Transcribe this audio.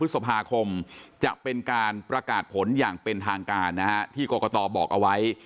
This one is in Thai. พฤษภาคมจะเป็นการประกาศผลอย่างเป็นทางการนะฮะที่กรกตบอกเอาไว้